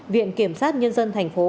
viện kiểm sát nhân dân thành phố